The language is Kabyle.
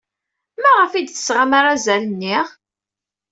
Maɣef ay d-tesɣam arazal-nni?